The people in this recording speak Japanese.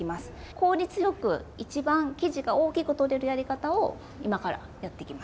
効率よくいちばん生地が大きくとれるやり方を今からやっていきます。